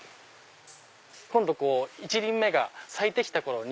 今度１輪目が咲いて来た頃に。